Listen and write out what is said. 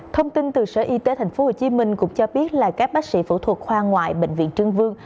thông tin từ sở y tế tp hcm cũng cho biết là các bác sĩ phẫu thuật khoa ngoại bệnh viện trương vương